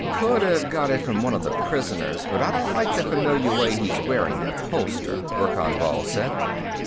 "Could have got it from one of the prisoners, but I don't like the familiar way he's wearing that holster," Verkan Vall said.